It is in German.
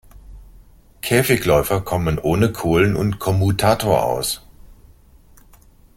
Käfigläufer kommen ohne Kohlen und Kommutator aus.